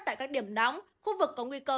tại các điểm nóng khu vực có nguy cơ